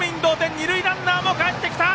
二塁ランナーもかえってきた！